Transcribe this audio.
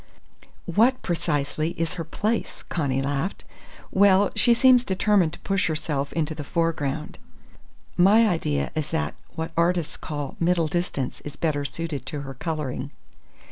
"What, precisely, is her place?" Connie laughed. "Well, she seems determined to push herself into the foreground. My idea is that what artists call middle distance is better suited to her colouring.